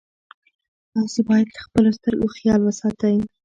تاسي باید د خپلو سترګو خیال وساتئ.